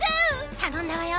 たのんだわよ。